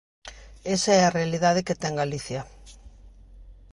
Esa é a realidade que ten Galicia.